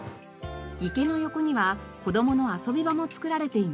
池の横には子どもの遊び場も作られています。